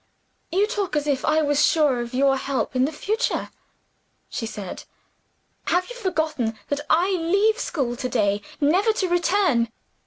"You talk as if I was sure of your help in the future," she said. "Have you forgotten that I leave school to day, never to return?